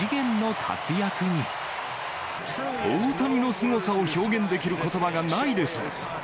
大谷のすごさを表現できることばがないです。